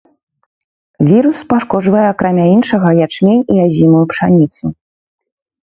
Вірус пашкоджвае акрамя іншага ячмень і азімую пшаніцу.